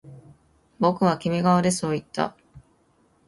僕はキメ顔でそう言った